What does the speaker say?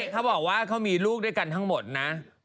เขาบอกว่าเขามีลูกด้วยกันทั้งหมดนะ